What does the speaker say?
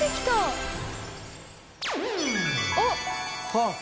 あっ！